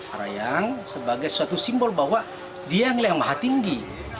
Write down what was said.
arayang sebagai suatu simbol bahwa dia yang lebih mahat tinggi